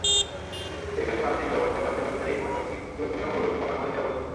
সেই সঙ্গে মানুষের নিরাপত্তায় বাড়তি নজরদারির পাশাপাশি গুরুত্বপূর্ণ মোড়গুলোতে বসানো হবে নিরাপত্তাচৌকি।